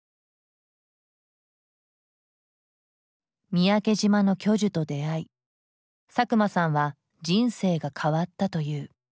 三宅島の巨樹と出会い佐久間さんは人生が変わったという。